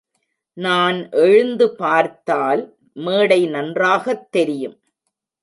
நான் எழுந்து பார்த்தால் மேடை நன்றாகத் தெரியும்.